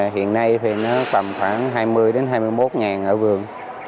hiện nay thì nó tăng khoảng hai mươi hai mươi một ngàn ở vườn